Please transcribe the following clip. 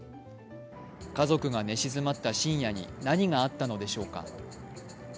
家族が寝静まった深夜に何があったのでしょうか。